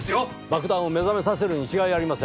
爆弾を目覚めさせるに違いありません。